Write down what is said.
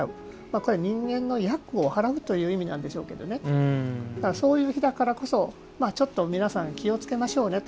これは人間の厄を払うという意味なんでしょうがそういう日だからこそ皆さん、気をつけましょうねと。